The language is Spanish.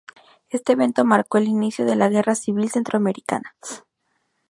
Este evento marcó el inicio de la Guerra civil Centroamericana.